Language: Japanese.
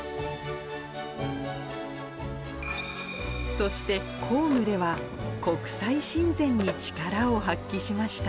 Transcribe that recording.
そして、公務では、国際親善に力を発揮しました。